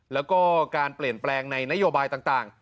แล้วก็การเปลี่ยนแปลงในนโยบายต่าง